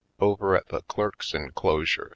Over at the clerk's enclosure three 44